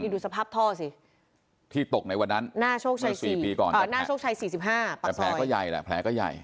ดูสภาพท่อสิหน้าโชคชัย๔๕ปัดซอยแต่แผลก็ใหญ่